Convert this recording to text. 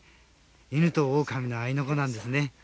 犬とオオカミの合いの子なんですね。